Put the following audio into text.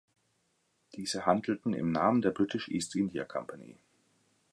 Diese handelten im Namen der British East India Company.